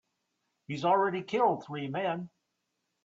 He's already killed three men.